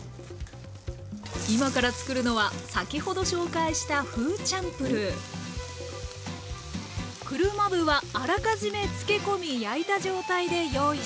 今から作るのは先ほど紹介したフーチャンプルー車麩はあらかじめ漬け込み焼いた状態で用意していました。